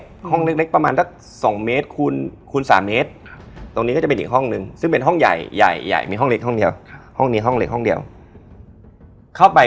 โรงแรมแบบ๑จิ้งหลีดอ่ะพี่